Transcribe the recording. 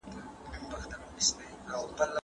د ټولني نظم په پام کي ونیسئ.